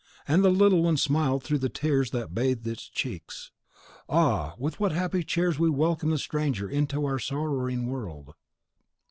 And the little one smiled through the tears that bathed its cheeks! Ah, with what happy tears we welcome the stranger into our sorrowing world!